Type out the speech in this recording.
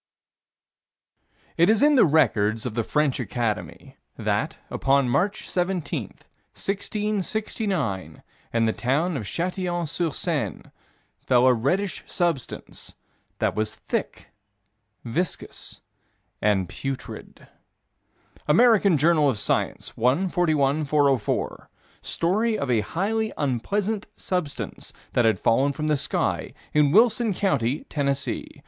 4 It is in the records of the French Academy that, upon March 17, 1669, in the town of Châtillon sur Seine, fell a reddish substance that was "thick, viscous, and putrid." American Journal of Science, 1 41 404: Story of a highly unpleasant substance that had fallen from the sky, in Wilson County, Tennessee.